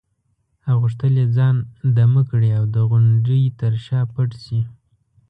او غوښتل یې ځان دمه کړي او د غونډې تر شا پټ شي.